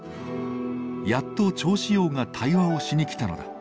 やっと趙紫陽が対話をしに来たのだ。